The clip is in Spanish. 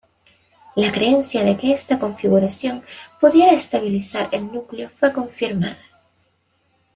La creencia de que esta configuración pudiera estabilizar el núcleo fue confirmada.